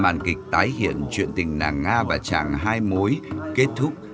màn kịch tái hiện chuyện tình nàng nga và chàng hai mối kết thúc